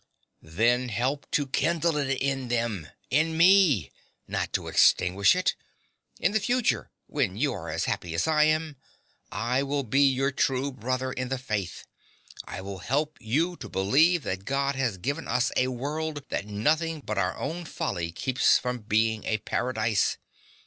Then help to kindle it in them in ME not to extinguish it. In the future when you are as happy as I am I will be your true brother in the faith. I will help you to believe that God has given us a world that nothing but our own folly keeps from being a paradise.